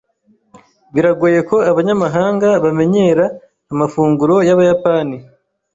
Biragoye ko abanyamahanga bamenyera amafunguro yabayapani.